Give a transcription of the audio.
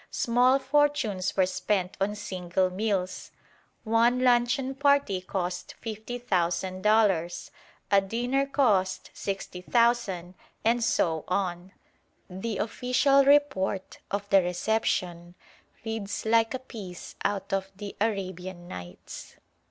Small fortunes were spent on single meals. One luncheon party cost 50,000 dollars: a dinner cost 60,000, and so on. The official report of the reception reads like a piece out of the Arabian Nights.